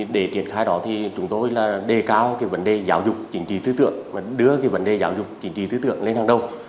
để triển khai đó chúng tôi đề cao vấn đề giáo dục chỉnh trí tư tượng đưa vấn đề giáo dục chỉnh trí tư tượng lên hàng đầu